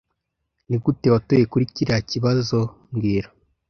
Nigute watoye kuri kiriya kibazo mbwira